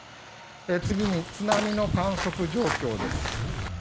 次に津波の観測状況です。